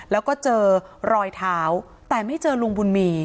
แล้วก็เจอรอยเท้าแต่ไม่เจอลุงบุญมี